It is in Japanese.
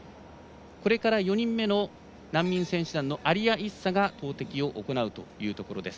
これから４人目の難民選手団のアリア・イッサが投てきを行うということころです。